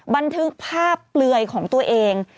บันทึกภาพเปลือยของตัวเอง